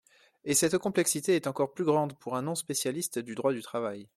Et cette complexité est encore plus grande pour un non-spécialiste du droit du travail.